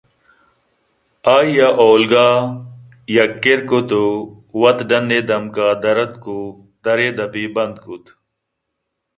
آئیءَ اولگا یک کِرّکُتءُوت ڈن ءِ دمک ءَدراتک ءُ در ءِدپے بند کُت